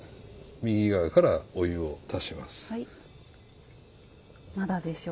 右側からお湯を足します。